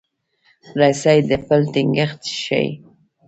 رسۍ د پل ټینګښت ښيي.